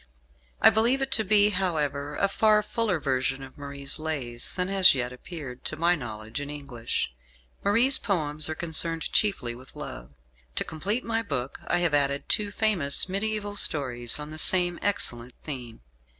I believe it to be, however, a far fuller version of Marie's "Lays" than has yet appeared, to my knowledge, in English. Marie's poems are concerned chiefly with love. To complete my book I have added two famous mediaeval stories on the same excellent theme.